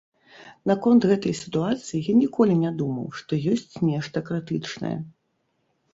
Наконт гэтай сітуацыі я ніколі не думаў, што ёсць нешта крытычнае.